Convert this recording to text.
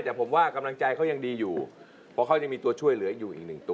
แต่ผมว่ากำลังใจเขายังดีอยู่เพราะเขายังมีตัวช่วยเหลืออยู่อีกหนึ่งตัว